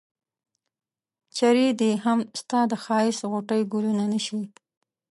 چرې دي هم ستا د ښایست غوټۍ ګلونه نه شي.